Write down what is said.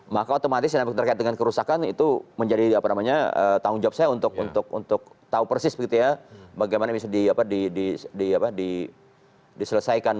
maka otomatis yang terkait dengan kerusakan itu menjadi tanggung jawab saya untuk tahu persis bagaimana bisa diselesaikan